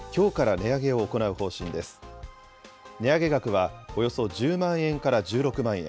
値上げ額はおよそ１０万円から１６万円。